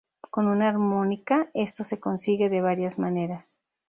Con una armónica esto se consigue de varias maneras.